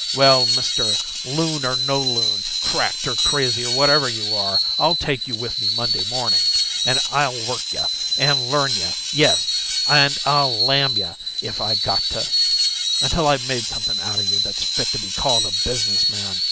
Well, mister, loon or no loon, cracked and crazy or whatever you are, I'll take you with me Monday morning, and I'll work you and learn you yes, and I'll lam you, if I got to until I've made something out of you that's fit to be called a business man!